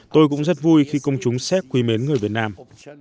tôi cũng rất vui khi công chúng séc quý mến người việt nam